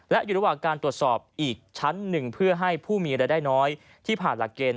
และอยู่ระหว่างการตรวจสอบอีกชั้นหนึ่งเพื่อให้ผู้มีรายได้น้อยที่ผ่านหลักเกณฑ์